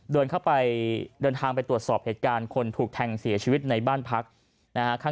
เดินเข้าไปเดินทางไปตรวจสอบเหตุการณ์คนถูกแทงเสียชีวิตในบ้านพักนะฮะ